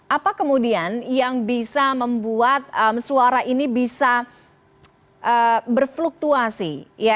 apa kemudian yang bisa membuat suara ini bisa berfluktuasi